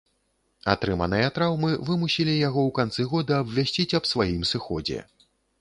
Атрыманыя траўмы вымусілі яго ў канцы года абвясціць аб сваім сыходзе.